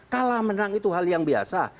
kalah menang itu hal yang biasa